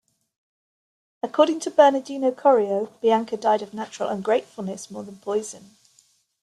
According to Bernardino Corio, Bianca "died of natural ungratefulness more than poison".